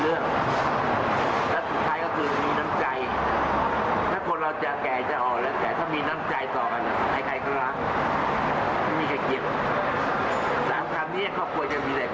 โปรภาท์ก็มีเหตุผลทุกคนถ้ามีเหตุผลจะไม่มีเรื่อง